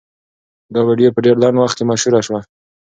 دا ویډیو په ډېر لنډ وخت کې مشهوره شوه.